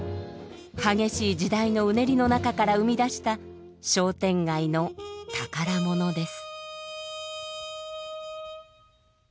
激しい時代のうねりの中から生み出した商店街の宝物です。